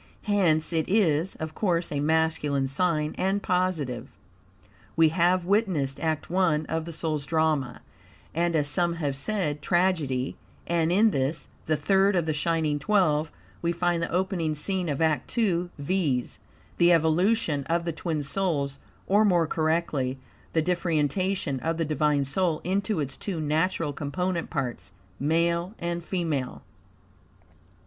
Hence it is, of course, a masculine sign and positive. We have witnessed act I of the soul's drama, and, as some have said, tragedy, and in this, the third of the shining twelve, we find the opening scene of act II, viz: The evolution of the twin souls, or, more correctly, the differentiation of the Divine soul into its two natural component parts male and female.